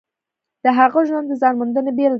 د هغه ژوند د ځان موندنې بېلګه ده.